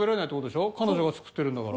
彼女が作ってるんだから。